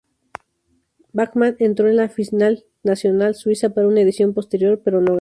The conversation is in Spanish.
Bachmann entró en la final nacional Suiza para una edición posterior pero no ganó.